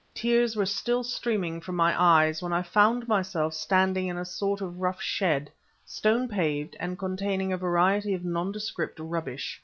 Tears were still streaming from my eyes when I found myself standing in a sort of rough shed, stone paved, and containing a variety of nondescript rubbish.